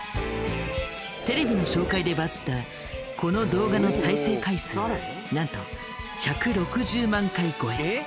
テレビの紹介でバズったこの動画の再生回数はなんと１６０万回超え。